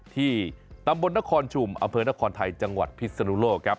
ที่ตำบลนครชุมอำเภอนครไทยจังหวัดพิศนุโลกครับ